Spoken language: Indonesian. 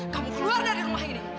kamu keluar dari rumah ini